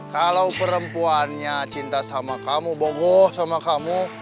kalau perempuannya cinta sama kamu bogoh sama kamu